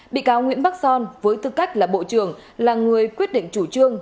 bị cáo nguyễn bắc son với tư cách là bộ trưởng là người quyết định chủ trương